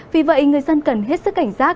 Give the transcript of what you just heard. vì vậy người dân cần hết sức cảnh giác